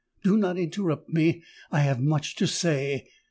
Do not interrupt me—I have much to say.